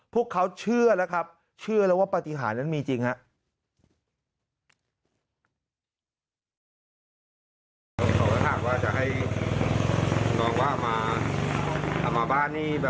พวกเขาเชื่อแล้วครับเชื่อแล้วว่าปฏิหารนั้นมีจริงครับ